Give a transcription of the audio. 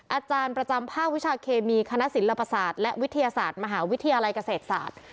อาจารย์ประจำภาควิชาเคมีคณะศิลปศาสตร์และวิทยาศาสตร์มหาวิทยาลัยเกษตรศาสตร์